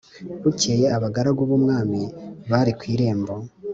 Bukeye abagaragu b umwami bari ku irembo